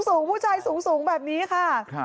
สูงผู้ชายสูงแบบนี้ค่ะ